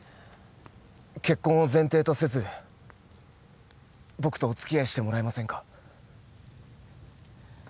結婚を前提とせず僕とおつきあいしてもらえませんか？